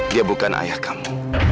dia bukan ayah kamu